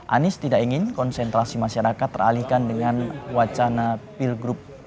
anies tidak ingin konsentrasi masyarakat teralihkan dengan wacana pilgub dki dua ribu dua puluh empat